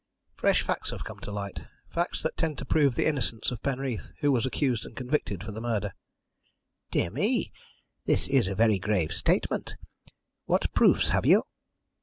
"Fresh facts have come to light facts that tend to prove the innocence of Penreath, who was accused and convicted for the murder." "Dear me! This is a very grave statement. What proofs have you?"